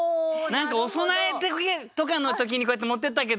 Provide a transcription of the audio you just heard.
何かお供えとかの時にこうやって持ってったけど。